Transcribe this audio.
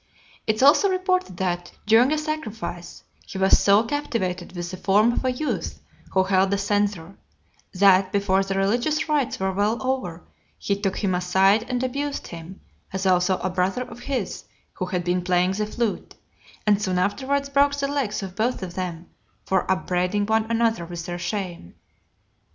It is also reported that, during a sacrifice, he was so captivated with the form of a youth who held a censer, that, before the religious rites were well over, he took him aside and abused him; as also a brother of his who had been playing the flute; and soon afterwards broke the legs of both of them, for upbraiding one another with their shame.